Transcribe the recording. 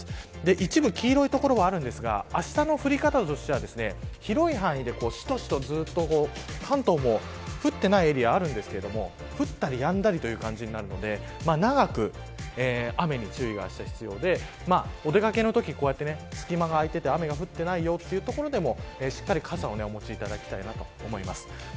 一部、黄色い所はあるんですがあしたの降り方としては広い範囲でしとしと関東も降っていないエリアあるんですが降ったりやんだりというところになるので長く雨に注意が必要でお出掛けのときこうやって、隙間が空いていて雨が降っていないよという所でもしっかり傘をお持ちいただきたいと思います。